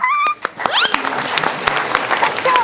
เธอไม่เคยโรศึกอะไร